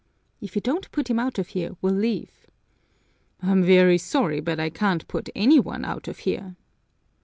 "If you don't put him out of here, we'll leave." "I'm very sorry, but I can't put any one out of here."